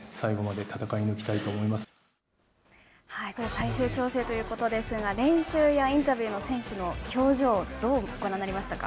最終調整ということですが、練習やインタビューの選手の表情、どうご覧になりましたか。